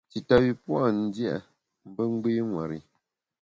Tita yü pua’ ndia mbe gbî ṅweri.